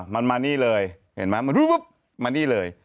มันมันนี่เลยเห็นไหมมันตุ๊ปมันนี่เลย